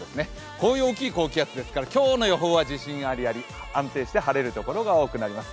こういう大きい高気圧ですから今日の予報は自信アリアリ安定して晴れる所が多くなります。